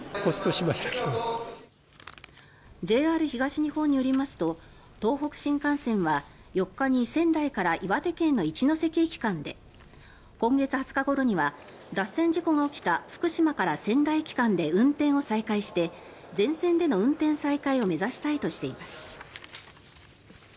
ＪＲ東日本によりますと東北新幹線は４日に仙台から岩手県の一ノ関駅間で今月２０日ごろには脱線事故が起きた福島から仙台駅間は運転を再開して全線での運転再開を目指したいとしています。